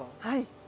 はい。